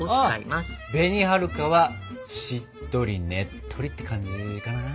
あ紅はるかはしっとりねっとりって感じかな。